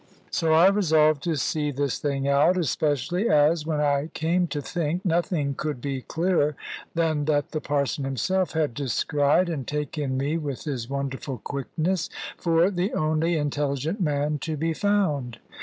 So I resolved to see this thing out, especially as (when I came to think) nothing could be clearer than that the Parson himself had descried and taken me (with his wonderful quickness) for the only intelligent man to be found.